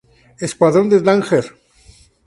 Escuadrón de Dagger.